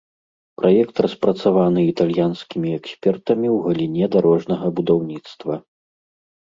Праект распрацаваны італьянскімі экспертамі ў галіне дарожнага будаўніцтва.